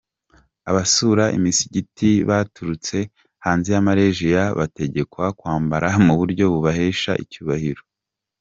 Abasura imisigiti baturutse hanze ya Malaysia bategekwa kwambara mu buryo bubahesha icyubahiro.